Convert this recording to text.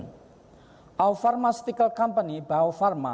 pemirsa farmastika kita baufarma